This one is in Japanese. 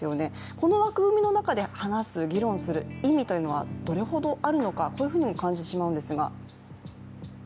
この枠組みの中で話す・議論する意義というのがどれほどあるかと感じてしまうんですが。